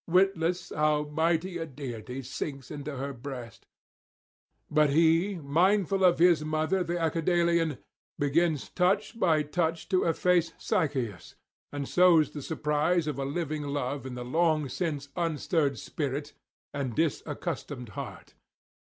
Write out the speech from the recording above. witless how mighty a deity sinks into her breast; but he, mindful of his mother the Acidalian, begins touch by touch to efface Sychaeus, and sows the surprise of a living love in the long since unstirred spirit and disaccustomed heart.